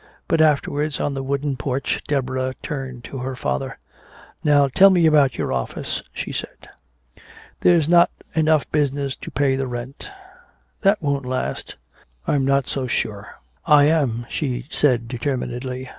But afterwards, on the wooden porch, Deborah turned to her father, "Now tell me about your office," she said. "There's not enough business to pay the rent." "That won't last " "I'm not so sure." "I am," she said determinedly.